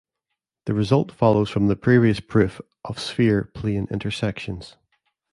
The result follows from the previous proof for sphere-plane intersections.